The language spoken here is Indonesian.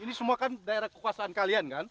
ini semua kan daerah kekuasaan kalian kan